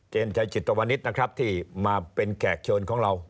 ชัยจิตวนิษฐ์นะครับที่มาเป็นแขกเชิญของเรา